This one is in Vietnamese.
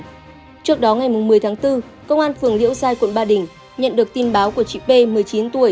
trước đó ngày một mươi tháng bốn công an phường liễu giai quận ba đình nhận được tin báo của chị p một mươi chín tuổi